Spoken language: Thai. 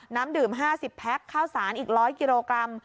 น้ำดื่ม๕๐แพ็คข้าวสารอีก๑๐๐กิโลกรัม